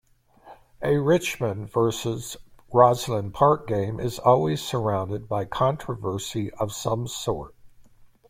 A Richmond versus Rosslyn Park game is always surrounded by controversy of some sort.